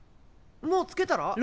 もうつけたら？